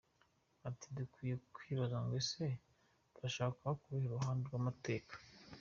Ati “Dukwiye kwibaza ngo ese turashaka kuba ku ruhe ruhande rw’amateka?